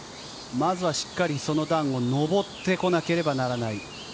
まずはしっかり、その段を上ってこなければならない。